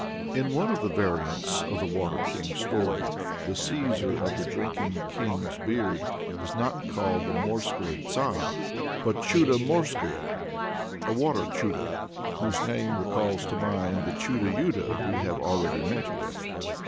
In one of the variants of the Water King story, the seizer of the drinking kings' beard is not called the Morskoi Tsar but Chudo Morskoe, a Water Chudo, whose name recalls to mind the Chudo Yudo we have already met with.